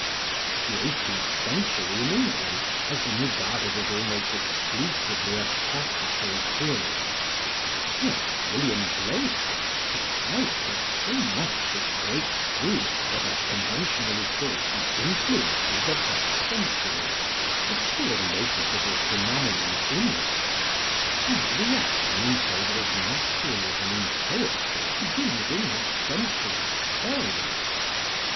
The eighteenth century in England has been regarded as almost exclusively a classical period; yet William Blake, a type of so much which breaks through what are conventionally thought the influences of that century, is still a noticeable phenomenon in it, and the reaction in favour of naturalism in poetry begins in that century, early.